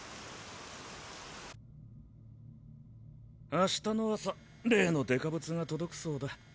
明日の朝例のデカブツが届くそうだ。